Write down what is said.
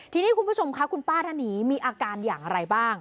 ทีนี้คุณผู้ชมค่ะคุณป้าท่านนี้มีอาการอย่างไรบ้าง